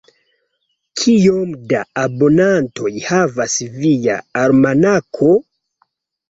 Kiom da abonantoj havas via almanako?